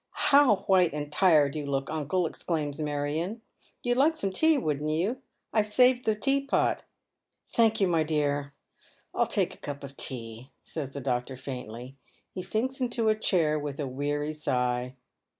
" How whito and tired you look, uncle !" exclaims Marion. "You'd like some tea, wouldn't you? I've saved the tea pot." "Thank you, my dear. I'll take a cup of tea," says the doctor faintly. He sinks into a chair with a weary sigh.